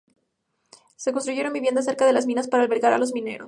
Se construyen viviendas cerca de las minas para albergar a los mineros.